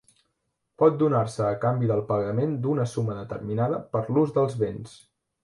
Pot donar-se a canvi del pagament d'una suma determinada per l'ús dels béns.